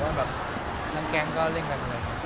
น้ำแก๊งก็เล่นกัน